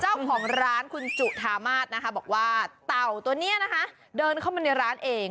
เจ้าของร้านคุณจุธามาศนะคะบอกว่าเต่าตัวนี้นะคะเดินเข้ามาในร้านเอง